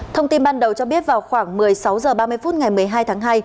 thông tin ban đầu cho biết vào khoảng một mươi sáu h ba mươi phút ngày một mươi hai tháng hai